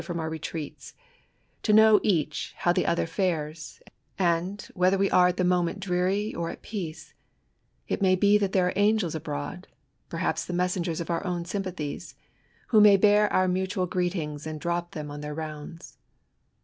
ATION. from our retreaijs, to know ^aeh faow« the other fares ; and, whether W0^ cure at > the moment dreary or at peace, it may be that there are angek abroad, (perhaps the messengers of our own sym pathies), who may bear our mutual greetings, and drop them on their rounds.